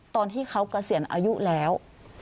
ตอนที่เขากระเสียนอายุแล้ว